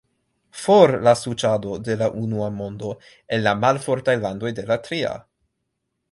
For la suĉado de la unua mondo el la malfortaj landoj de la tria!